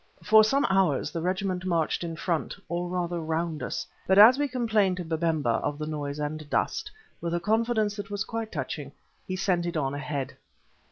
For some hours the regiment marched in front, or rather round us, but as we complained to Babemba of the noise and dust, with a confidence that was quite touching, he sent it on ahead.